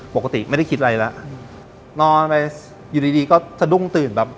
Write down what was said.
ปกติไม่ได้คิดอะไรแล้วนอนไปอยู่ดีดีก็สะดุ้งตื่นแบบ